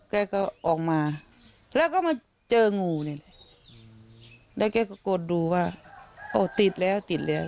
แกก็ออกมาแล้วก็มาเจองูนี่แหละแล้วแกก็กดดูว่าโอ้ติดแล้วติดแล้ว